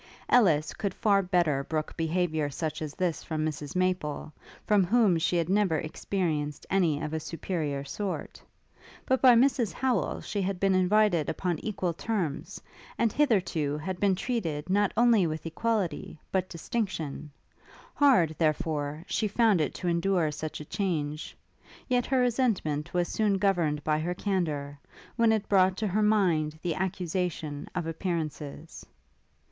Ellis could far better brook behaviour such as this from Mrs Maple, from whom she had never experienced any of a superiour sort; but by Mrs Howel she had been invited upon equal terms, and, hitherto, had been treated not only with equality but distinction: hard, therefore, she found it to endure such a change; yet her resentment was soon governed by her candour, when it brought to her mind the accusation of appearances.